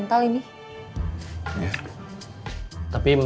nggak ada apa apa